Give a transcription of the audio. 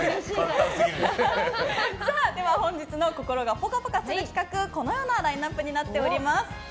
では本日の心がぽかぽかする企画このようなラインアップになっております。